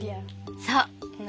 そう。